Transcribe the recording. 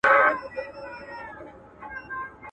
ماشومان لوبې او خندا خوښوي